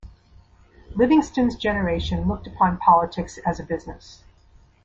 Livingston's generation looked upon politics as a business.